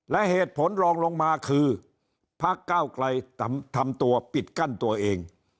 และเหตุผลรองลงมาคือพักเก้าไกลทำตัวปิดกั้นตัวเอง